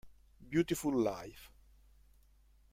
Beautiful Life